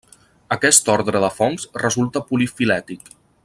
Aquest ordre de fongs resulta polifilètic.